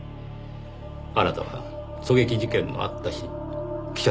あなたは狙撃事件のあった日記者たちに。